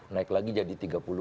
naik lagi jadi tiga puluh lima